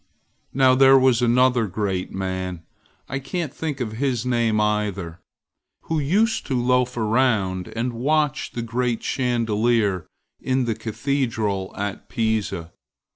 Now there was another great man, I can't think of his name either, who used to loaf around and watch the great chandelier in the cathedral at Pisa.